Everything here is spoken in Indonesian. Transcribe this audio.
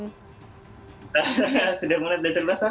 sudah mulai belajar puasa